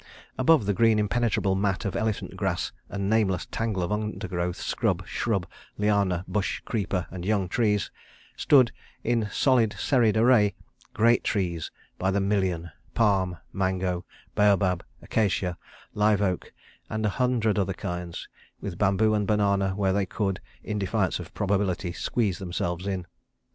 Above the green impenetrable mat of elephant grass and nameless tangle of undergrowth, scrub, shrub, liana, bush, creeper, and young trees, stood, in solid serried array, great trees by the million, palm, mango, baobab, acacia, live oak, and a hundred other kinds, with bamboo and banana where they could, in defiance of probability, squeeze themselves in.